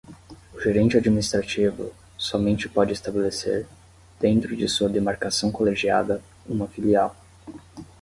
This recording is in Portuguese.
O gerente administrativo somente pode estabelecer, dentro de sua demarcação colegiada, uma filial.